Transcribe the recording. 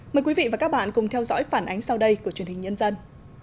mời quý vị và các bạn cùng theo dõi phản ánh sau đây của truyền hình nhân dân